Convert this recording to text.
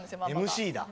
ＭＣだ。